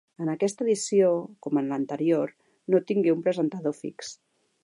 En aquesta edició, com en l'anterior, no tingué un presentador fix.